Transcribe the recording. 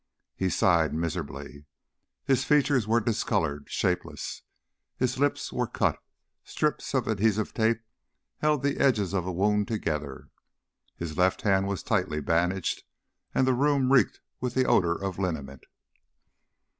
He sighed miserably. His features were discolored, shapeless; his lips were cut; strips of adhesive tape held the edges of a wound together; his left hand was tightly bandaged and the room reeked with the odor of liniment.